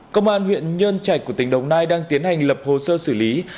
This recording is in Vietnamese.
công an huyện nhân trạch của tỉnh đồng nai đang tiến hành lập hồ sơ xử lý